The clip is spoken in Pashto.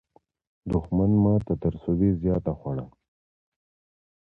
دښمن ماته تر سوبې زیاته خوړه.